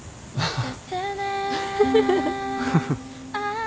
ああ。